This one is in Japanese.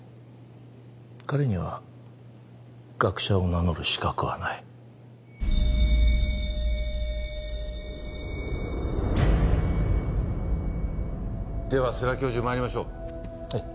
彼には学者を名乗る資格はないでは世良教授まいりましょうはい・